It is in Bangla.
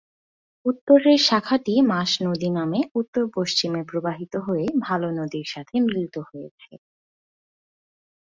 উত্তরের শাখাটি মাস নদী নামে উত্তর-পশ্চিমে প্রবাহিত হয়ে ভাল নদীর সাথে মিলিত হয়েছে।